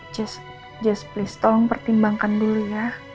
jess jess please tolong pertimbangkan dulu ya